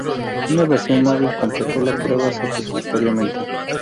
Una versión móvil completó la prueba satisfactoriamente.